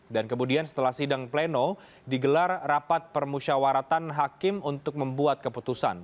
dan kemudian setelah sidang pleno digelar rapat permusyawaratan hakim untuk membuat keputusan